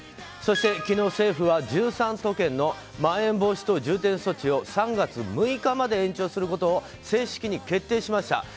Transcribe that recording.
そして昨日、政府は１３都県のまん延防止等重点措置を３月６日まで延長することを正式に決定しました。